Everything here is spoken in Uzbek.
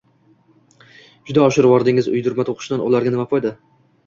-Juda oshirvordingiz. Uydirma to’qishdan ularga nima foyda?